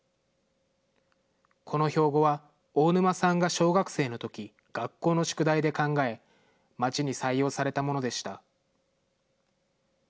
この標語は、大沼さんが小学生のとき、学校の宿題で考え、町に採用されたものでした。